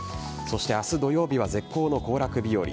明日土曜日は絶好の行楽日和。